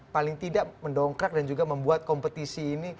paling tidak mendongkrak dan juga membuat kompetisi ini